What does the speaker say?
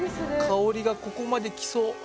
香りがここまで来そう。